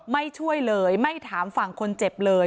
ช่วยเลยไม่ถามฝั่งคนเจ็บเลย